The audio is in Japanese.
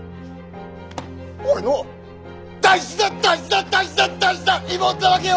俺の大事な大事な大事な大事な妹だわけよ！